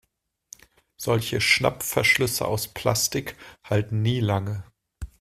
Solche Schnappverschlüsse aus Plastik halten nie lange.